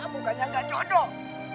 mukanya gak jodoh